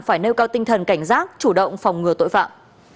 phải nêu cao tinh thần cảnh giác chủ động phòng ngừa tội phạm